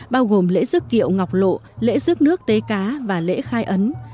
bao gồm lễ rước kiệu ngọc lộ lễ rước nước tế cá và lễ khai ấn